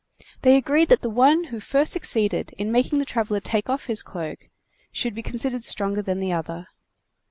They agreed that the one who first succeeded in making the traveler take his cloak off should be considered stronger than the other.